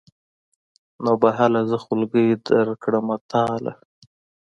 نو به هله زه خولګۍ درکړمه تاله.